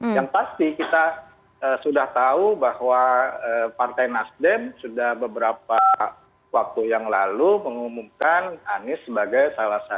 yang pasti kita sudah tahu bahwa partai nasdem sudah beberapa waktu yang lalu mengumumkan anies sebagai salah satu